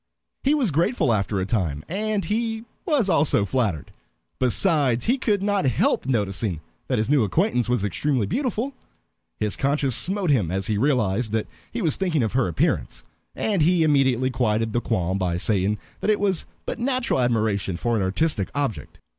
He was grateful after a time, and he was also flattered. Besides, he could not help noticing that his new acquaintance was extremely beautiful. His conscience smote him as he realized that he was thinking of her appearance, and he immediately quieted the qualm by saying that it was but natural admiration for an artistic object.